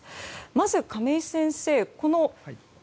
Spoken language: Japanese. まず、亀井先生